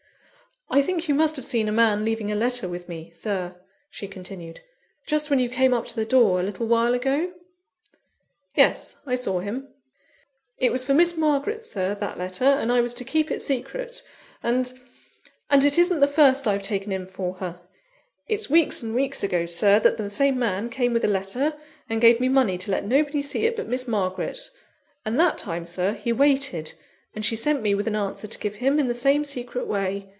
"I think you must have seen a man leaving a letter with me, Sir," she continued, "just when you came up to the door, a little while ago?" "Yes: I saw him." "It was for Miss Margaret, Sir, that letter; and I was to keep it secret; and and it isn't the first I've taken in for her. It's weeks and weeks ago, Sir, that the same man came with a letter, and gave me money to let nobody see it but Miss Margaret and that time, Sir, he waited; and she sent me with an answer to give him, in the same secret way.